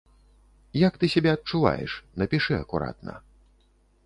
Як ты сябе адчуваеш, напішы акуратна.